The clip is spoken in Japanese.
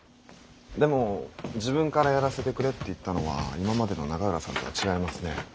でも自分からやらせてくれって言ったのは今までの永浦さんとは違いますね。